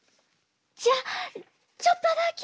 じゃあちょっとだけ。